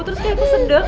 terus kayak aku sedek